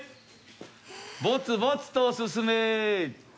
ボツボツと進め。